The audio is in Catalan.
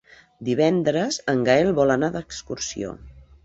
Divendres en Gaël vol anar d'excursió.